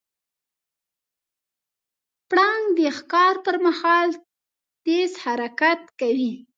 پړانګ د ښکار پر مهال تیز حرکت کوي.